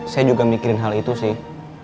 saya juga mikirin hal itu sih